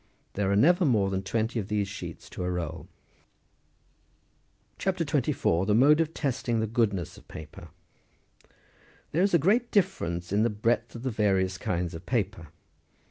There are never more than twenty of these sheets to a roll.21 CHAP. 24. THE MODE OF TESTING THE GOODNESS OF PAPEK. There is a great difference in the breadth of the various kinds of paper.